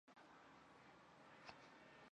它们栖息在热带或亚热带的低地潮湿森林。